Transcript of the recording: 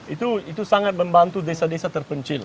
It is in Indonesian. itu sangat membantu desa desa terpencil